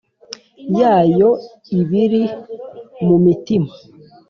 yayo ibiri mu mitima